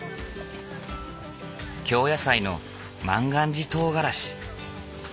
京野菜の万願寺とうがらし。